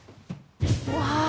うわ。